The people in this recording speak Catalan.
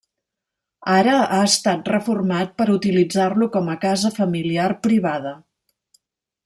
Ara ha estat reformat per utilitzar-lo com a casa familiar privada.